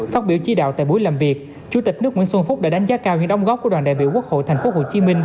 phát biểu chỉ đạo tại buổi làm việc chủ tịch nước nguyễn xuân phúc đã đánh giá cao những đóng góp của đoàn đại biểu quốc hội tp hcm